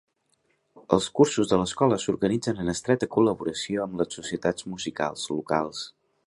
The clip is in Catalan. Els cursos de l'escola s'organitzen en estreta col·laboració amb les societats musicals locals.